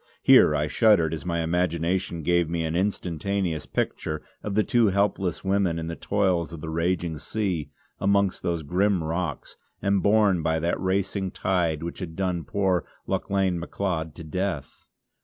Here I shuddered as my imagination gave me an instantaneous picture of the two helpless women in the toils of the raging sea amongst those grim rocks and borne by that racing tide which had done poor Lauchlane Macleod to death.